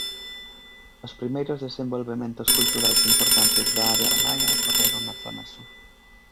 Os primeiros desenvolvementos culturais importantes da área maia ocorreron na zona sur.